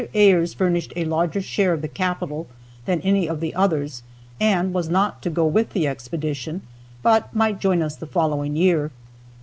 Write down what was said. Ayres furnished a larger share of the capital than any of the others and was not to go with the expedition, but might join us the following year.